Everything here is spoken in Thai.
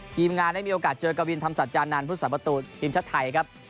ทีมงานได้มีโอกาสเจอกับวินธรรมศาสตร์จานานพุทธศาสตร์ประตูธรรมชาติไทยครับ